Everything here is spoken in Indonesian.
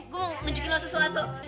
gue mau nunjukin lo sesuatu